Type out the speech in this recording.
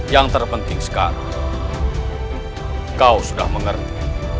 yang terpenting sekarang kau sudah mengerti